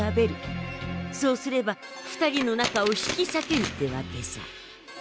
そうすれば２人の仲を引きさけるってわけさ。